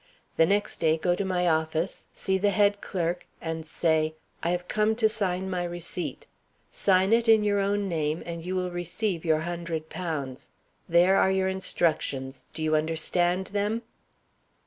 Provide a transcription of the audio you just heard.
The next day go to my office, see the head clerk, and say, 'I have come to sign my receipt.' Sign it in your own name, and you will receive your hundred pounds. There are your instructions. Do you understand them?"